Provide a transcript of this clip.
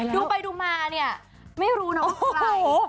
ดูไปดูมาเนี่ยไม่รู้นะว่าใคร